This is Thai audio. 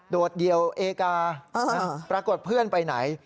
โดดเดี่ยวเอกาปรากฏเพื่อนไปไหน